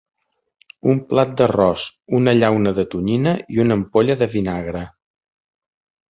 Un plat d'arròs, una llauna de tonyina i una ampolla de vinagre.